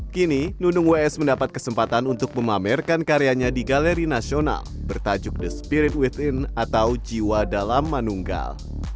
kini nunung ws mendapat kesempatan untuk memamerkan karyanya di galeri nasional bertajuk the spirit with in atau jiwa dalam manunggal